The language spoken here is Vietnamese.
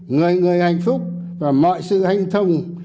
người người hạnh phúc và mọi sự hành thông